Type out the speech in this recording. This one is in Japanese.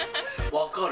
分かる。